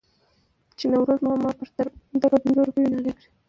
چې نوروز ماما به تر بنده په پنځو روپو نارې کړې.